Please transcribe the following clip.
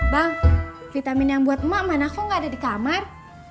bang vitamin yang buat emak mana kok gak ada di kamar